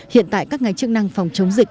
hiện tại các ngành chức năng phòng chống dịch